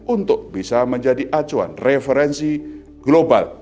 untuk bisa menjadi acuan referensi global